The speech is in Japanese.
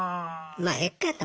まあえっかって。